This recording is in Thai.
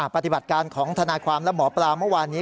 ปฏิบัติการของทนายความและหมอปลาเมื่อวานนี้